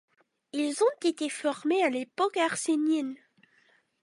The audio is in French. Ils ont été formés à l'époque hercynienne.